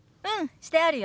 してあるよ。